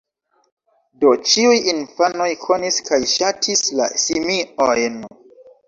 Do ĉiuj infanoj konis kaj ŝatis la simiojn.